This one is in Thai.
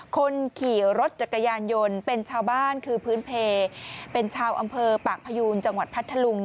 คนขี่รถจักรยานยนต์เป็นชาวบ้านคือพื้นเพลเป็นชาวอำเภอปากพยูนจังหวัดพัทธลุง